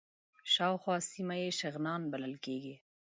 شاوخوا سیمه یې شغنان بلل کېږي.